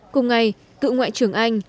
cùng ngày cựu ngoại trưởng anh